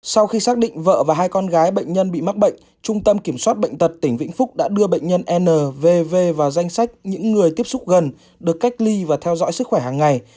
sau khi xác định vợ và hai con gái bệnh nhân bị mắc bệnh trung tâm kiểm soát bệnh tật tỉnh vĩnh phúc đã đưa bệnh nhân n vvv vào danh sách những người tiếp xúc gần được cách ly và theo dõi sức khỏe hàng ngày